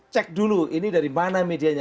cek dulu ini dari mana medianya